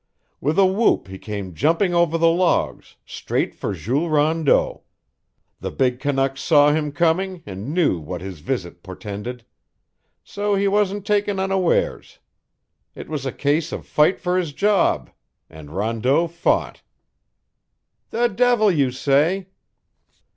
With a whoop he came jumping over the logs, straight for Jules Rondeau. The big Canuck saw him coming and knew what his visit portended so he wasn't taken unawares. It was a case of fight for his job and Rondeau fought." "The devil you say!"